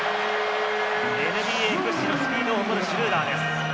ＮＢＡ屈指のスピードを誇るシュルーダーです。